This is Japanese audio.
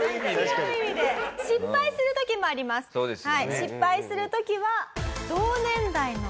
失敗する時は。